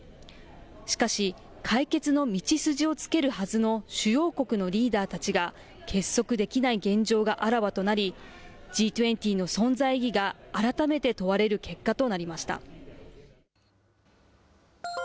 しかし、解決の道筋をつけるはずの主要国のリーダーたちが、結束できない現状があらわとなり、Ｇ２０の存在意義が改めて問われる結果となりました。